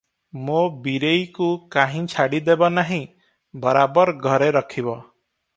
ମୋ ବୀରେଇକୁ କାହିଁ ଛାଡ଼ିଦେବ ନାହିଁ ବରାବର ଘରେ ରଖିବ ।